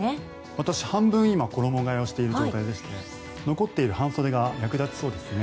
私、半分衣替えをしている状態でして残っている半袖が役立ちそうですね。